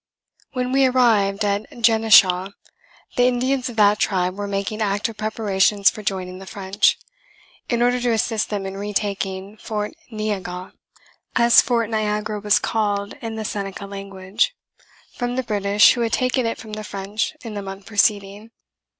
When we arrived at Genishau, the Indians of that tribe were making active preparations for joining the French, in order to assist them in retaking Fort Ne a gaw (as Fort Niagara was called in the Seneca language) from the British, who had taken it from the French in the month preceding.